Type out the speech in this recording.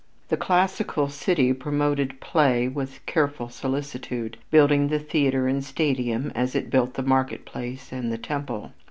The classical city promoted play with careful solicitude, building the theater and stadium as it built the market place and the temple.